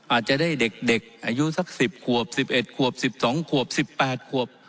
อาจจะได้เด็กอายุสัก๑๐ขวบ๑๑ขวบ๑๒ขวบ๑๘ขวบ